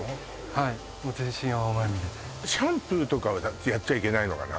はい全身泡まみれでシャンプーとかはやっちゃいけないのかな？